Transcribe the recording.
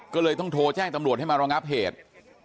ก็เลยต้องโทรแจ้งตำรวจให้มารองับเหตุ